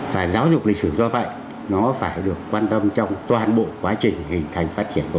phải giáo dục lịch sử do vậy nó phải được quan tâm trong toàn bộ quá trình hình thành phát triển